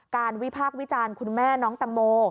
วิพากษ์วิจารณ์คุณแม่น้องตังโม